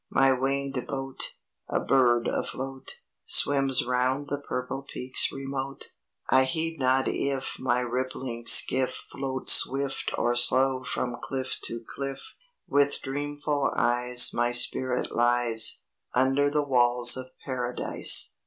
My winged boat, A bird afloat, Swims round the purple peaks remote. "'I heed not if My rippling skiff Float swift or slow from cliff to cliff; With dreamful eyes My spirit lies, Under the walls of Paradise.'"